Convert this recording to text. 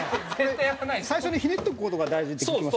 最初にひねっておく事が大事って聞きましたけど。